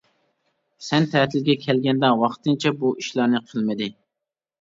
سەن تەتىلگە كەلگەندە ۋاقتىنچە بۇ ئىشلارنى قىلمىدى.